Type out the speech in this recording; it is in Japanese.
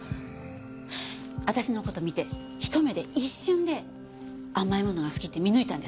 私の事見てひと目で一瞬で甘いものが好きって見抜いたんですから。